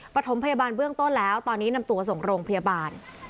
ประถมพยาบาลเบื้องต้นแล้วตอนนี้นำตัวส่งโรงพยาบาล